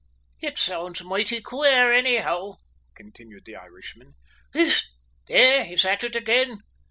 "It sounds moighty queer, anyhow," continued the Irishman. "Whisht! There, he's at it again!